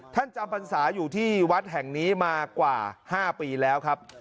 จำพรรษาอยู่ที่วัดแห่งนี้มากว่า๕ปีแล้วครับ